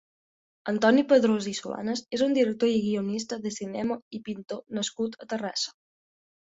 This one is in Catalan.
Antoni Padrós i Solanas és un director i guionista de cinema i pintor nascut a Terrassa.